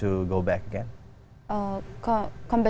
dan sekarang saya benci perhatian anda